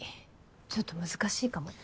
ちょっと難しいかも。